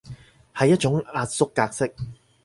係一種壓縮格式